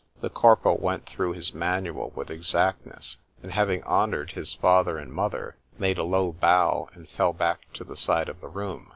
—The corporal went through his manual with exactness; and having honoured his father and mother, made a low bow, and fell back to the side of the room.